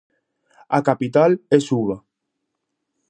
A capital é Suva.